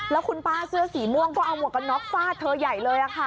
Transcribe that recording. แล้วคุณป้าเสื้อสีม่วงก็เอาหมวกกันน็อกฟาดเธอใหญ่เลยค่ะ